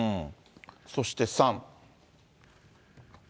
そして３。